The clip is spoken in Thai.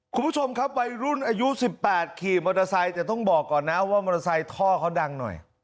คุณผู้ชมครับวัยรุ่นอายุ๑๘ขี่มอเตอร์ไซค์แต่ต้องบอกก่อนนะว่ามอเตอร์ไซค์ท่อเขาดังหน่อย